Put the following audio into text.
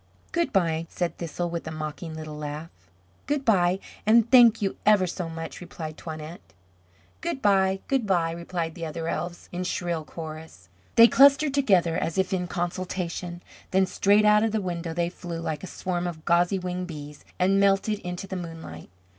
"Good bye," said Thistle, with a mocking little laugh. "Good bye, and thank you ever so much," replied Toinette. "Good bye, good bye," replied the other elves, in shrill chorus. They clustered together, as if in consultation; then straight out of the window they flew like a swarm of gauzy winged bees, and melted into the moonlight.